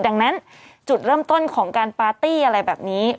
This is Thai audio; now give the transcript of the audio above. ดังนั้นจุดเริ่มต้นของการปาร์ตี้อะไรแบบนี้